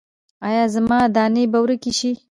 ایا زما دانې به ورکې شي؟